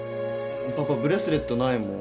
パパブレスレットないもん